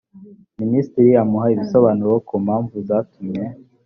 minisitiri amuha ibisobanuro ku mpamvu zatumye